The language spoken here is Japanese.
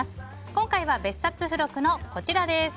今回は別冊付録のこちらです。